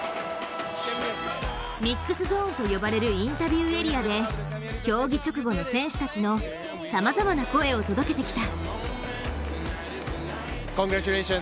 ミックスゾーンと呼ばれるインタビューエリアで競技直後の選手たちのさまざまな声を届けてきた。